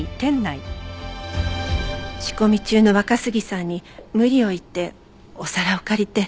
仕込み中の若杉さんに無理を言ってお皿を借りて。